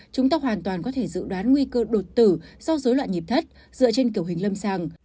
chúng ta hoàn toàn có thể dự đoán nguy cơ đột tử do dối loạn nhịp thận dựa trên kiểu hình lâm sàng